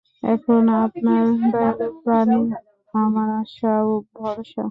এখন আপনার দয়ালু প্রাণই আমার আশা ও ভরসা।